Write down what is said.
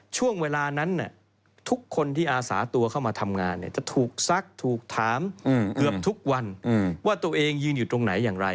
ช่วงเวลานั้นทุกคนที่อาสาตัวเข้ามาทำงานจะถูกซักถูกถามเกือบทุกวันว่าตัวเองยืนอยู่ตรงไหนอย่างไร